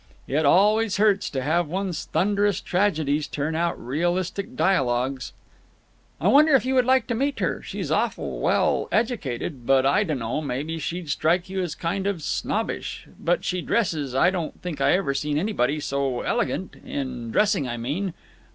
It always hurts to have one's thunderous tragedies turn out realistic dialogues. "I wonder if you would like to meet her. She's awful well educated, but I dunno—maybe she'd strike you as kind of snobbish. But she dresses I don't think I ever seen anybody so elegant. In dressing, I mean.